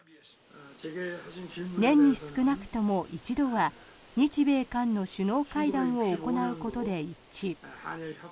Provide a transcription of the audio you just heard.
年に少なくとも１度は日米韓の首脳会談を行うことで一致。